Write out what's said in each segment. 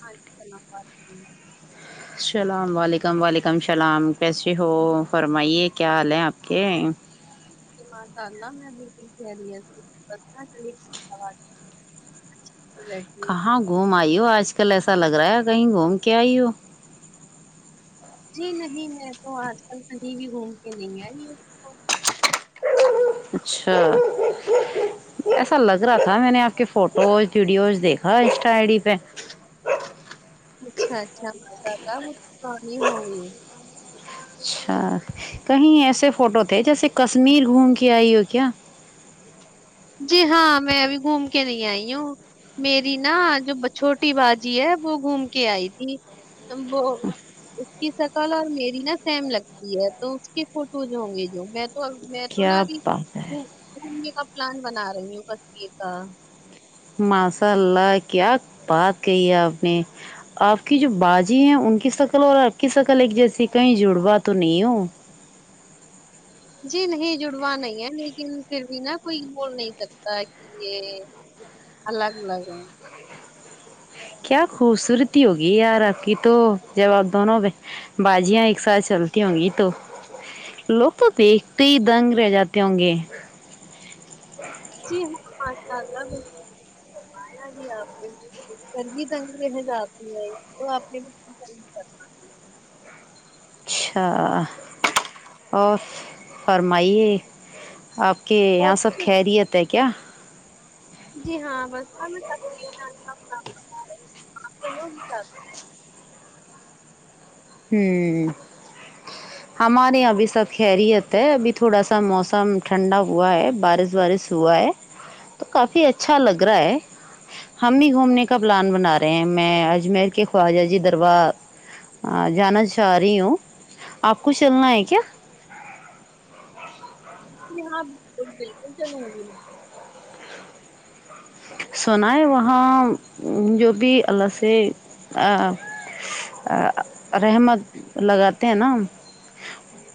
ہاں [inaudible] السلام علیکم و علیکم السلام کیسے ہو فرمائیے کیا حال ہیں آپ کے جی ماشاءاللہ میں بالکل خیریت سے ہو [inaudible] ج کہاں گھوم آئی ہو آج کل ایسا لگ رہا ہے کہیں گھوم کے آئی ہو جی نہیں میں تو آج کل کہیں بھی گھوم کے نہیں آئی تو اچھا ایسا لگ رہا تھا میں نے آپ کے فوٹوز ویڈیوز دیکھا انسٹا آئی ڈی پہ اچھا اچھا مذا کا وہ پرانی ہوگی اچھا کہیں ایسے فوٹو تھے جیسے کشمیر گھوم کے آئی ہو کیا جی ہاں میں ابھی گھوم کے نہیں آئی ہوں میری نا جو چھوٹی باجی ہے وہ گھوم کے آئی تھی وہ اس کی شکل اور میری نا سیم لگتی ہے تو اس کے فوٹوز ہوں گے جو میں تو میں تو نا کیا ابھی بات ہے گھومنے کا پلان بنا رہی ہوں کبے کا ماشاء اللہ کیا بات کہی ہے آپ نے آپ کی جو باجی ہیں ان کی شکل اور آپ کی شکل ایک جیسی کہیں جوڑا تو نہیں ہو جی نہیں جڑوا نہیں ہے لیکن پھر بھی نا کوئی بول نہیں سکتا ہے کہ یہ الگ الگ ہے کیا خوبصورتی ہوگی یار آپ کی تو جب آپ دونوں باجیاں ایک ساتھ چلتی ہوں گی تو لوگ تو دیکھتے ہی دنگ رہ جاتے ہوں گے جی ہاں ماشاءاللہ کروایا ہی آپ نے سر بھی تنگ محن آتی ہے تو آپ نے کہا اچھا اور فرمائیے آپ کے اور یہاں سب خیریت ہے کیا جی ہاں [unintelligible] ہمم ہمارے یہاں ابھی سب خیریت ہے ابھی تھوڑا سا موسم ٹھنڈا ہوا ہے بارش وارش ہوا ہے تو کافی اچھا لگ رہا ہے ہم بھی گھومنے کا پلان بنا رہے ہیں میں اجمیر کے خواجہ جی دربار ہاں جانا چاہ رہی ہوں آپ کو چلنا ہے کیا میں ہاں بالکل چلوں گی سونا ہے وہاں جو بھی اللہ سے رحمت لگاتے ہیں نا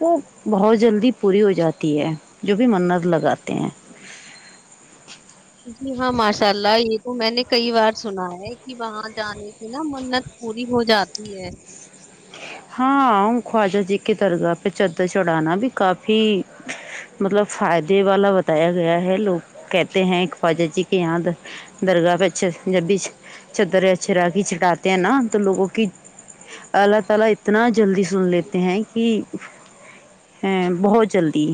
وہ بہت جلدی پوری ہو جاتی ہے جو بھی منت لگاتے ہیں جی ہاں ماشاء اللہ یہ تو میں نے کئی بار سنا ہے کہ وہاں جانے نا منت پوری ہو جاتی ہے ہاں خواجہ جی کی درگاہ پہ چدر چڑھانا بھی کافی مطلب فائدے والا بتایا گیا ہے لوگ کہتے ہیں خاواجہ جی کے یہاں درگاہ پہ جب بھی چتر ا چرا کی چٹاتے ہیں نا تو لوگوں کی اللہ تعالی اتنا جلدی سن لیتے ہیں کہ ہیں بہت جلدی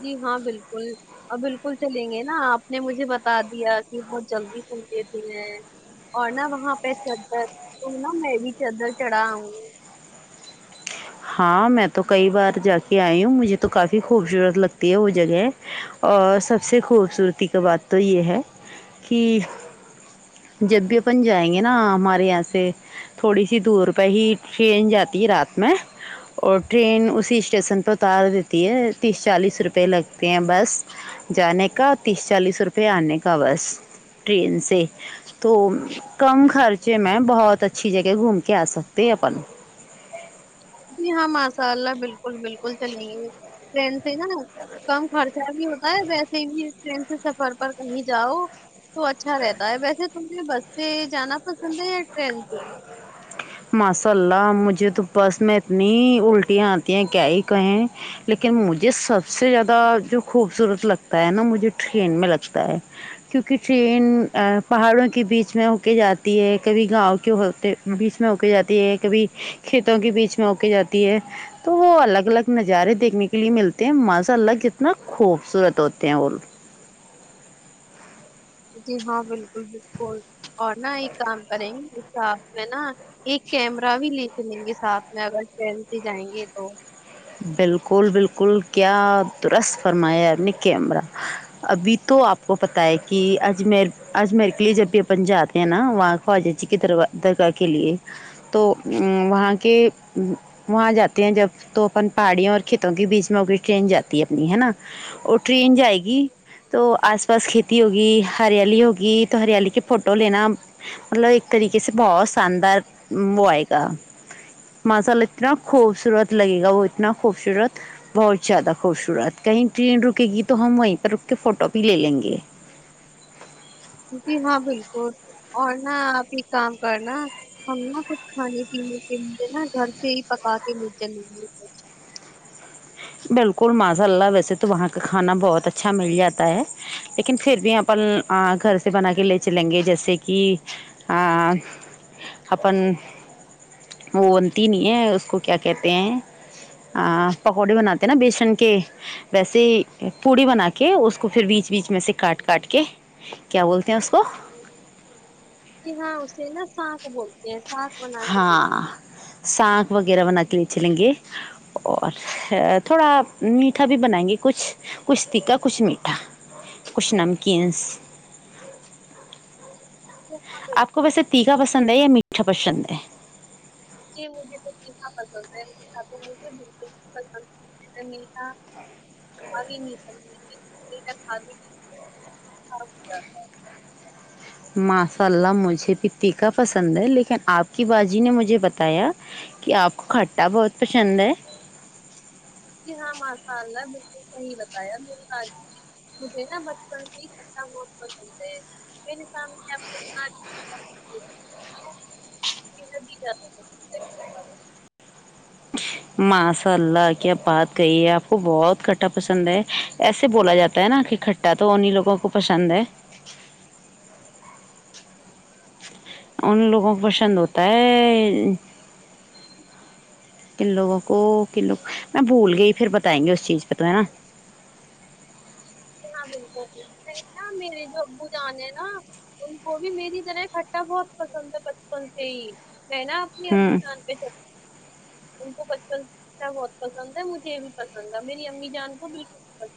جی ہاں بالکل اور بالکل چلیں گے نا آپ نے مجھے بتا دیا کہ بہت جلدی سن لیتے ہیں اور نہ وہاں پہ چدر تو نا میں بھی چادر چڑھا ہؤں گی ہاں میں تو کئی بار جا کے آئی ہوں مجھے تو کافی خوبصورت لگتی ہے وہ جگہ اور سب سے خوبصورتی کا بات تو یہ ہے کہ جب بھی اپن جائیں گے نا ہمارے یہاں سے تھوڑی سی دور پہ ہی ٹرین جاتی ہے رات میں اور ٹرین اسی اسٹیسن پر اتار دیتی ہے تیس چالیس روپئے لگتے ہیں بس جانے کا تیس چالیس روپے آنے کا بس ٹرین سے تو کم خرچے میں بہت اچھی جگہ گھوم کے آ سکتے ہیں اپن جی ہاں ماشاء اللہ بالکل بالکل چلیں گے ٹرین سے نا کم خرچہ بھی ہوتا ہے ویسے ہی بھی ٹرین سے سفر پر کہیں جاؤ تو اچھا رہتا ہے ویسے تمیں بس سے جانا پسند ہے یا ٹرین سے ماشاء اللہ مجھے تو بس میں اتنی الٹیاں آتی ہیں کیا ہی کہیں لیکن مجھے سب سے زیادہ جو خوبصورت لگتا ہے نا مجھے ٹرین میں لگتا ہے کیونکہ ٹرین پہاڑوں کے بیچ میں ہو کے جاتے ہے کبھی گاؤں کے ہوتے بیچ میں ایک جاتی ہے کبھی کھیتوں کے بیچ میں ایک جاتی ہے تو وہ الگ الگ نظارے دیکھنے کے لیے ملتے ہیں ماشاللہ کتنا خوبصورت ہوتے ہیں اور جی ہاں بالکل بالکل اور نہا ایک کام کریں گے آ میں نا ایک کیمرہ بھی لے کے لیں گے ساتھ میں اگر چلتے جائیں گے تو بالکل بالکل کیا درست فرمایا نےکمرا ابھی تو آپ کو پت ہے کہ آج آج میرے کے لیے جب بھی اپن جات نا واں خواجہ ک در درا کے لی ہے تو ا وہاں کے وہاں جاتے ہیں جب تو اپن پہاڑیوں اور کھیتوں کے بیچ میں ہوگئی ٹرین جاتی ہے اپنی ہے نا وہ ٹرین جائے گی تو آس پاس کھیتی ہوگی ہریالی ہوگی تو ہریالی کے فوٹو لینا مطلب ایک طریقے سے بہت شاندار وہ آئے گا ماشاللہ اتنا خوبصورت لگے گا وہ اتنا خوبصورت بہت زیادہ خوبصورت کہیں ٹرین رکے گی تو ہم وہیں پہ رک کے فوٹو بھی لے لیں گے جی ہاں بالکل اور نہا آپ ایک کام کرنا ہم نا کچھ کھانے پینے کے لیے نا گھر سے ہی پکا کے لے چلیںگے بالکل ماشاء اللہ ویسے تو وہاں کا کھانا بہت اچھا مل جاتا ہے لیکن پھر بھی اپن گھر سے بنا کے لے چلیں گے جیسے کہ اپ اپن وہ بنتی نہیں ہے اس کو کیا کہتے ہیں پکوڑے بناتے ہیں نا بیسن کے ویسے پوڑی بنا کے اس کو پھر بیچ بیچ میں سے کاٹ کاٹ کے کیا بولتے ہیں اس کو کہ ہاں اسے نا سا کو بول ایسا ہاں ساک وغیرہ بنا کے بیےچ لیں گے اور تھوڑا میٹھا بھی بنائیں گے کچھ کچھتیقا کچھ مٹھا کچھ نمکینس چلیں آپ کو گے ویسے ٹھیکا پسند ہے یا میٹھا پسند ہے جی مجھے توا ٹھیکا پسند ہے تو مجھے بلکو پسند مٹا کھی نہیں سکتی م کھی نہیں اچھا ماشاء اللہ مجھے بھی تیکا پسند ہے لیکن آپ کی باجی نے مجھے بتایا کہ آپ کو کھٹا بہت پشند ہے جی ہاں ماشاء اللہ بالکل صحیح بتایا ب آج مجھے نا بچپن سے ہی مھیٹا بہت پسند ہے م سامنے تینو بھی جاتے ہے ماساء اللہ کیا بات کہی ہے آپ کو بہت کھٹا پسند ہے ایسے بولا جاتا ہے نا کہ کھا کھٹا تو انہیں لگوں کو پسند ہے ان لوگوں کو پسند ہوتا ہے ان لوگوں کو ک لو میں بھول گئی پھر بتائیں گے اس چیز پہ تو ہے نا ہاں بالکل نہیںا میرے جو ابو جان ہے نا ان کو بھی میری طرح اکھٹا بہت پسند تھا بچپن سے ہی میں نا اپنی اب ہوں جان مجکو بچپن بہت پسند ہے مجھے یہ بھی پسند ہے میری امی جان کو بالکل بھی پسند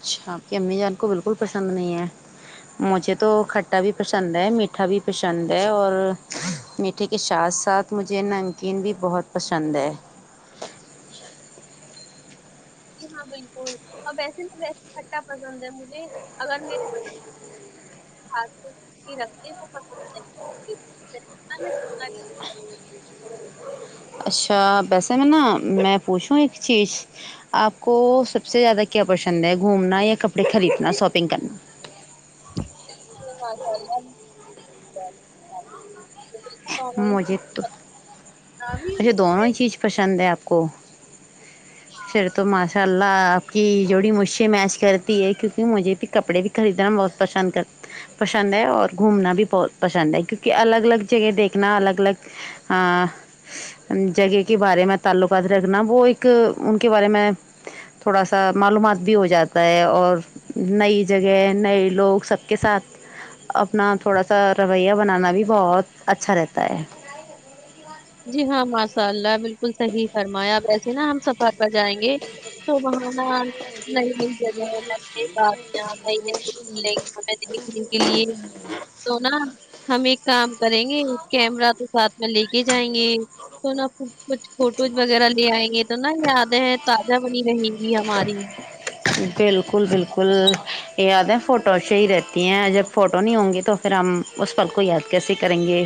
اچھا آپ کی امی جان کو بالکل پسند نہیں ہے مجھے تو کھٹا بھی پسند ہے میٹھا بھی پسند ہے اور میٹھے کے ساتھ ساتھ مجھے نمکین بھی بہت پشند ہے جی ہاں بالکل اب ویسے تو ویس کھٹا پسند ہے مجھے اگر میرے اتھ سو رکھتے ہوت صحح اچھا ویسے میں نا میں پوچھوں ایک چیز آپ کو سب سے زیادہ کیا پشند ہے گھومنا یا کپڑے خریدنا شاپنگ کرنا مشاء ال مجھے تو بھی اور اچھا دونوں کپڑے ہی چیز پسند ہے آپ کو ج ہاں پھر تو ماشاء اللہ آپ کی جوڑی مجھ سے میچ کرتی ہے کیونکہ مجھے بھی کپڑے بھی خریدنا بہت پشند کر پشند ہے اور گھومنا بھی بہت پشند ہے کیونکہ الگ الگ کہ دیکھنا الگ الگ ا جگہ کے بارے میں تعلقات رکھنا وہ ایک ان کے بارے میں تھوڑا سا معلومات بھی ہو جاتا ہے اور نئی جگہ نئے لوگ سب کے ساتھ اپنا تھوڑا سا رویہ بنانا بھی بہت اچھا رہتا ہے جی ہاں ماشاء اللہ بالکل صحیح فرمایا اب وسے نا ہم سفر پر جائیں گے تو بہان نئی نئی جگہ ہے یہاں ل میں ہمیں دیکھنے کے لیے تو نا ہم ایک کام کریں گے کیمرہ تو ساتھ میں لے کے ہی جائیں گے تو نہا کچھ فوٹوز وغیرہ لے آئیں گے تو نا یادیں تازہ بنی رہیں گی ہماری بالکل بالکل یہ یاد ہے فوٹو اچھھیے ہی رہتی ہیں جب فوٹو نہیں ہوں گی تو پھر ہم اس پل کو یاد کیسے کریں گے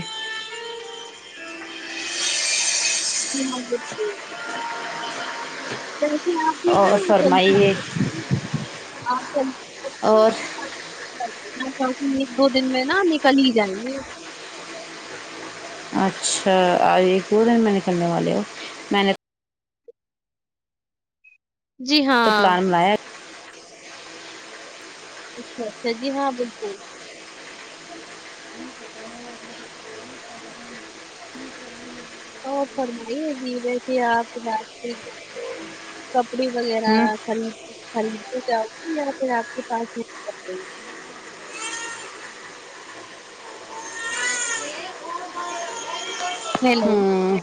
[unintelligible] جی اور [unintelligible] ایک دو دن میں نا نکل ہی جائیں گے ج اچھا آ دن میں نکلنے والے ہو میں نے جی تو ہاں پلان بنایا اچھا اچھا جی ہاں بالکل اور فرمائی ہے جی ویسے [unintelligible] کپڑے وغیرہ ہوں خرید خریدتے جاؤ گی یا پھر آپ کے پاس ہے کپڑے ہیلو ہوں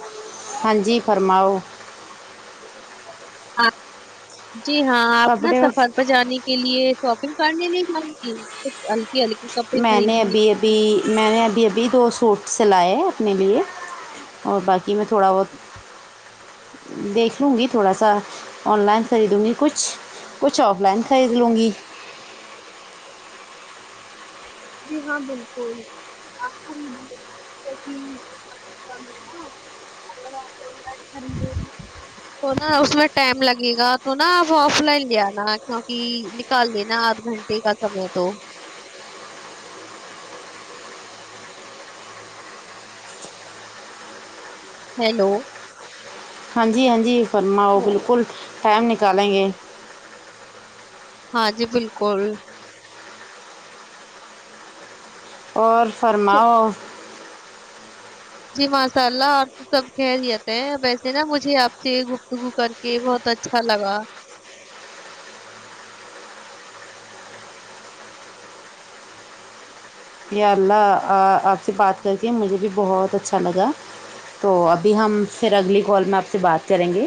ہاں جی فرماؤ آ جی ہاں آپ نا کپڑے سفر پے جانے کے لیے شاپنگ کرنے نہیں جانتی کچھ ہلکی ہلکی میں نے ابھی ابھی میں نے ابھی ابھی دو سوٹ سلائے اپنے لیے اور باکی میں تھوڑا بہت دیکھ لوں گی تھوڑا سا آن لائن خریدوں گی کچھ کچھ آف لائن خرید لوں گی [unintelligible] جی ہاں بالکل [inaudible] تو نا اس میں ٹائم لگے گا تو نا آپ آف لائن لے آنا کیونکی نکال لینا آدھ گھنٹ ڑے کا سمے تو ہیلو ہاں جی ہاں جی فرماؤ بالکل ٹائم نکالیں گے ہاں جی بالکل اور جی فرماؤ جی ماساللہ سب خیریت ہیں ویسے نا مجھے آپ سے گفتگو کر کے بہت اچھا لگا یا اللہ آ آپ سے بات کر کے مجھے بھی بہت اچھا لگا تو ابھی ہم فیر اگلی کال میں آپ سے بات کریں گے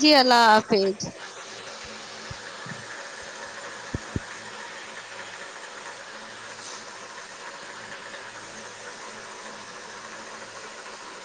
جی اللہ حافظ